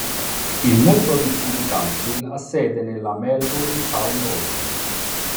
Il Melbourne City Council ha sede nella Melbourne Town Hall.